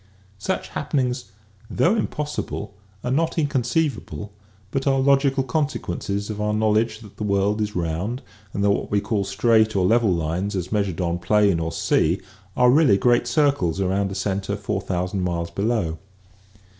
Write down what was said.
Such happenings, though impossible, are not inconceivable but are logical consequences of our knowledge that the world is round and that what we call straight or level lines as measured on plain or sea are really great circles around a center four thousand miles below.